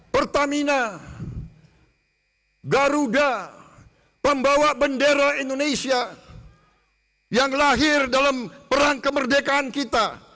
pertamina garuda pembawa bendera indonesia yang lahir dalam perang kemerdekaan kita